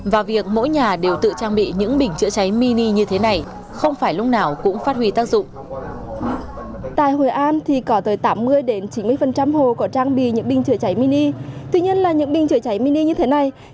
và việc mỗi nhà đều tự trang bị những bình chữa cháy mini như thế này